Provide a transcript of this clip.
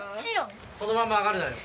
そのまま上がるなよ。